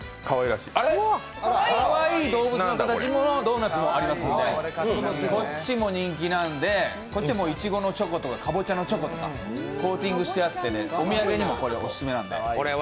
かわいい動物の形のドーナツもありますのでこっちも人気なんで、いちごのチョコとか、かぼちゃのチョコとかコーティングしてあって、お土産にもオススメなんで。